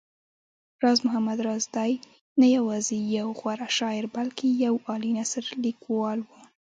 راز محمد راز دی نه يوازې يو غوره شاعر بلکې يو عالي نثرليکوال و